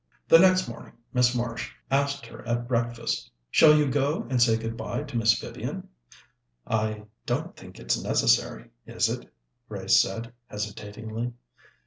The next morning Miss Marsh asked her at breakfast: "Shall you go and say good bye to Miss Vivian?" "I don't think it's necessary, is it?" Grace said hesitatingly.